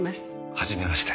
はじめまして。